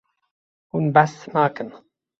Hûn behs nakin.